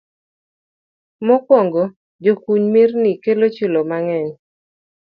Mokwongo, jakuny mirni kelo chilo mang'eny